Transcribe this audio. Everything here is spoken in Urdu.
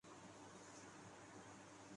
ملک کی معیشت بحران سے نکل رہی ہے مشیر خزانہ